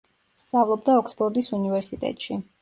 სწავლობდა ოქსფორდის უნივერსიტეტში.